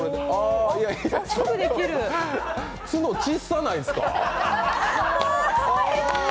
角、小っさないですか？